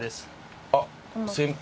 あっ先輩